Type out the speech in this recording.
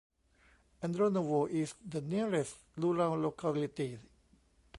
Andronovo is the nearest rural locality.